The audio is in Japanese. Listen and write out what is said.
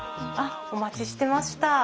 あっお待ちしてました。